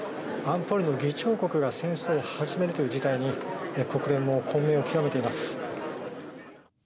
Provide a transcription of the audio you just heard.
安保理の議長国が戦争を始めるという事態に国連も混迷を極めています。